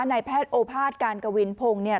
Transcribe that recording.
นายแพทย์โอภาษการกวินพงศ์เนี่ย